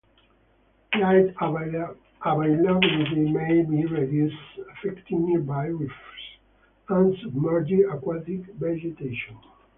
Light availability may be reduced, affecting nearby reefs and submerged aquatic vegetation.